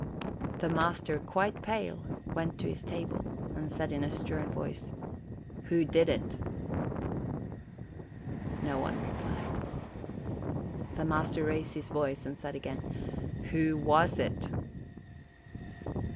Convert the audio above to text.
The master, quite pale, went to his table, and said in a stern voice :" Who did it?" No one replied. The master raised his voice, and said again, "Who was it?"